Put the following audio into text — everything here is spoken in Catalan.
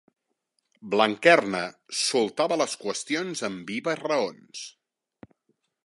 Blanquerna soltava les qüestions amb vives raons.